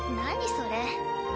それ。